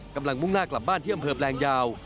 กำลังมุ่งหน้ากลับบ้านที่อำเภอบ้านแหลงยาว